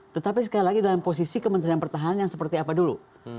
tetapi sekali lagi dalam posisi kementerian pertahanan yang seperti apa dulu